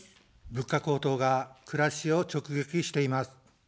物価高騰が暮らしを直撃しています。